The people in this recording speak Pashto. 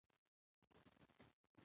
نفت د افغانستان د اقتصاد برخه ده.